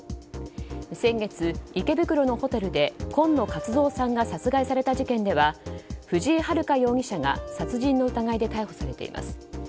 先月、池袋のホテルで今野勝蔵さんが殺害された事件では藤井遥容疑者が殺人の疑いで逮捕されています。